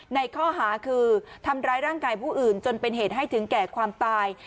ในข้อหาคือทำร้ายร่างกายผู้อื่นจนเป็นเหตุให้ถึงแก่ความตาย